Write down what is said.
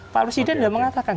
pak presiden juga mengatakan